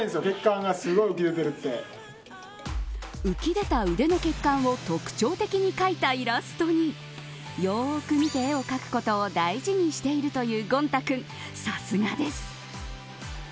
浮き出た腕の血管を特徴的に描いたイラストによく見て絵を描くことを大事にしているというゴンタ君さすがです。